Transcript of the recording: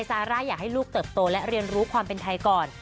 ซาร่าอยากให้ลูกเติบโตและเรียนรู้ความเป็นไทยก่อน